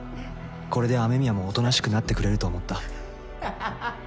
これで雨宮もおとなしくなってくれると思った。